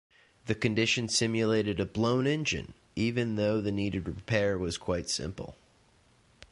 The condition simulated a blown engine, even though the needed repair was quite simple.